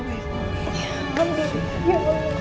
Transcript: terima kasih ya